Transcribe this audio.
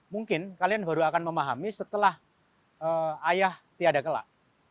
mungkin kalian baru akan memahami setelah ayah tiada kelak